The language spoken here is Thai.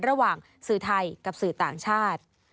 ระหว่างสื่อไทยกับสื่อต่างชาติ